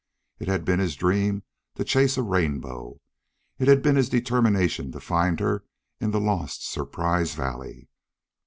It had been his dream to chase a rainbow it had been his determination to find her in the lost Surprise Valley.